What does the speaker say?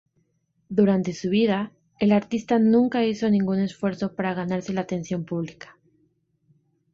Durante su vida, el artista nunca hizo ningún esfuerzo para ganarse la atención pública.